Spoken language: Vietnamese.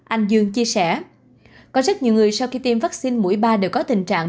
anh dương chia sẻ có rất nhiều người sau khi tiêm vaccine mũi ba đều có tình trạng